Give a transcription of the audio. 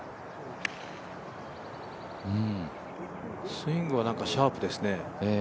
スイングはシャープですね。